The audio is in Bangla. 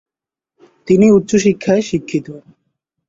তিনি উচ্চ শিক্ষায় শিক্ষিত।